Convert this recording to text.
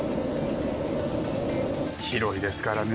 広いですからね。